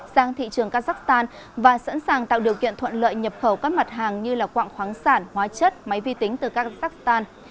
sang thị trường kazakhstan và sẵn sàng tạo điều kiện thuận lợi nhập khẩu các mặt hàng như quạng khoáng sản hóa chất máy vi tính từ kazakhstan